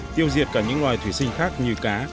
tiêu diệt cả những loài thủy sinh khác như cá